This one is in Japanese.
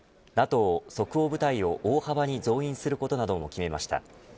即応部隊を大幅に増員することなども決めました。